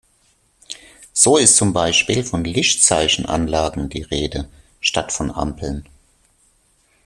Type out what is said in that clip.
So ist zum Beispiel von Lichtzeichenanlagen die Rede, statt von Ampeln.